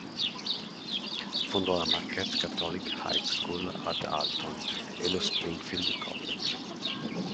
Fondò la Marquette Catholic High School ad Alton e lo Springfield College.